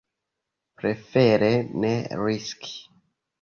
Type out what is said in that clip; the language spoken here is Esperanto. Prefere ne riski.